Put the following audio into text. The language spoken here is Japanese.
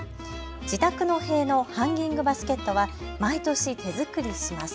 自宅の塀のハンギングバスケットは毎年手作りします。